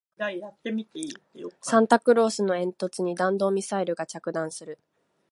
サンタクロースの煙突に弾道ミサイルが着弾する